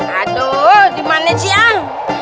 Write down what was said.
aduh dimana siang